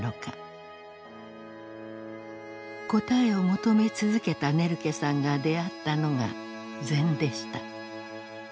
答えを求め続けたネルケさんが出会ったのが禅でした。